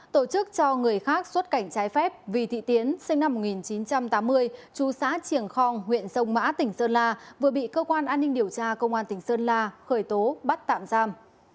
tổ chức cho người khác xuất cảnh trái phép vị thị tiến sinh năm một nghìn chín trăm tám mươi chú xã triển khong huyện sông mã tỉnh sơn la vừa bị cơ quan an ninh điều tra công an tỉnh sơn la khởi tố bắt tạm giam